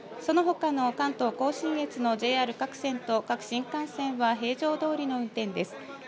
そのほかの関東甲信越のＪＲ各線の各新幹線は平常どおりの運転です。